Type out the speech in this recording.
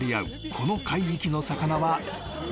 この海域の魚は絶品